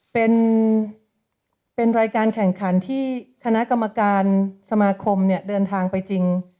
เป็นรายการแข่งขันที่คณะกรรมการสมาคมเนี่ยเดินทางไปจริง